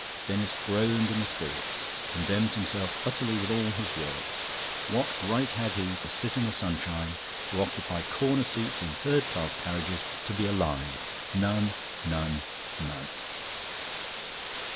Denis groaned in the spirit, condemned himself utterly with all his works. What right had he to sit in the sunshine, to occupy corner seats in third class carriages, to be alive? None, none, none.